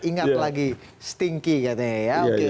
ingat lagi stinki katanya ya